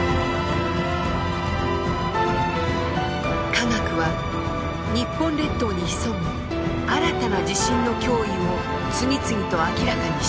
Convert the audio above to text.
科学は日本列島に潜む新たな地震の脅威を次々と明らかにしています。